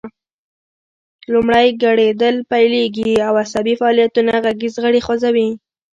لومړی ګړیدل پیلیږي او عصبي فعالیتونه غږیز غړي خوځوي